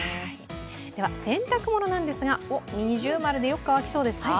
洗濯物なんですが、◎でよく乾きそうですか？